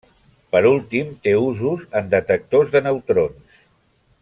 Per últim, té usos en detectors de neutrons.